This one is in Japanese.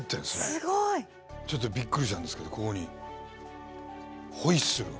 すごい！ちょっとびっくりしたんですけどここにホイッスルが。